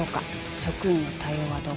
職員の対応はどうか？